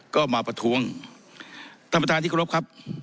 ก็มาประท้วงท่านประธานที่เคารพครับ